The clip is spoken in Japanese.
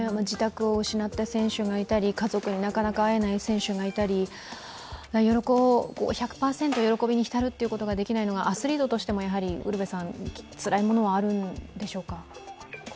自宅を失った選手がいたり家族になかなか会えない選手がいたり、１００％喜びに浸ることができないのがアスリートとしてもつらいものはあるんでしょうか。